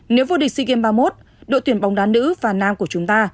nếu vô địch sea games ba mươi một đội tuyển bóng đá nữ và nam của chúng ta